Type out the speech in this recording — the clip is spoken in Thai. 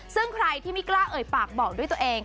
ซึ่งใครที่ไม่กล้าเอ่ยปากบอกด้วยตัวเอง